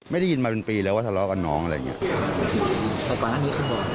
ไม่ได้ยินมาเป็นปีแล้วว่าสะเลาะกับน้องอะไรอย่างนี้